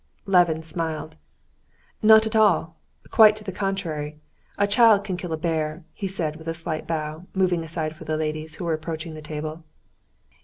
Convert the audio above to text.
Levin smiled. "Not at all. Quite the contrary; a child can kill a bear," he said, with a slight bow moving aside for the ladies, who were approaching the table.